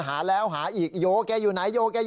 หาแล้วหาอีกโยเเกยุนายโย